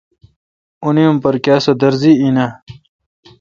اُ نی اُم پرکیا سُودرزی این آں؟